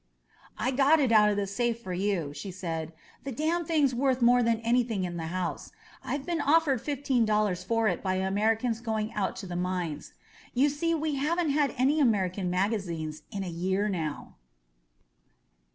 "I got it out of the safe for you," she said. ^^The damn thing's worth more than anything in the house. I've been offered fifteen dollars for it by Americans going out to the mines. You see we haven't had any American magazines in a year now."